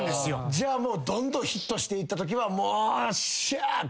じゃあもうどんどんヒットしていったときは「よっしゃ！」って？